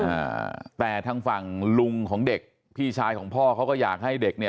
อ่าแต่ทางฝั่งลุงของเด็กพี่ชายของพ่อเขาก็อยากให้เด็กเนี่ย